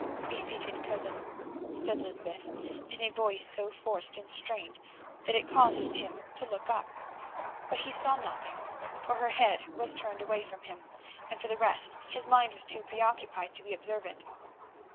"Be seated, cousin," said Lysbeth, in a voice so forced and strained that it caused him to look up. But he saw nothing, for her head was turned away from him, and for the rest his mind was too preoccupied to be observant.